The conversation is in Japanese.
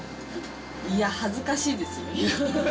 いや、恥ずかしいですよ。